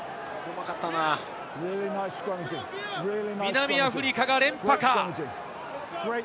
南アフリカが連覇か？